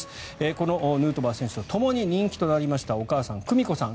このヌートバー選手とともに人気となりましたお母さん、久美子さん